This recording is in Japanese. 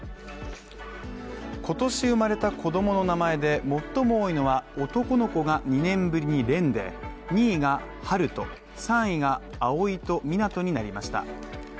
今年生まれた子供の名前で最も多いのは、男の子が２年ぶりに蓮で、２位が陽翔３位が蒼と湊になりました。